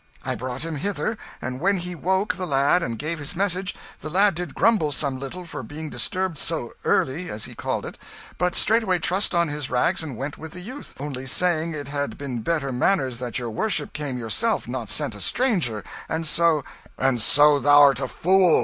I brought him hither; and when he woke the lad and gave his message, the lad did grumble some little for being disturbed 'so early,' as he called it, but straightway trussed on his rags and went with the youth, only saying it had been better manners that your worship came yourself, not sent a stranger and so " "And so thou'rt a fool!